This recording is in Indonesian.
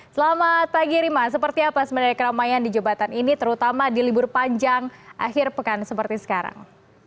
selamat pagi rima seperti apa sebenarnya keramaian di jembatan ini terutama di libur panjang akhir pekan seperti sekarang